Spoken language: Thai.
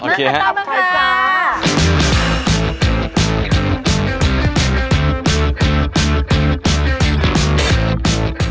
มากันต่อมากันต่อ